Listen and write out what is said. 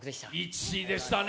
１位でしたね。